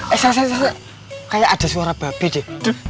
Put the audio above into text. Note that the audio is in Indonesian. eh sese sese kayak ada suara babi sih